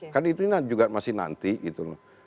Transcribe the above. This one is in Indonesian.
kan itu juga masih nanti gitu loh